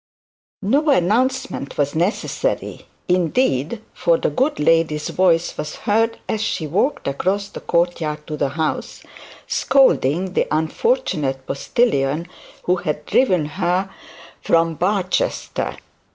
No announcement was necessary, indeed; for the good lady's voice was heard as she walked across the court yard to the house scolding the unfortunate postilion who had driven her from Barchester.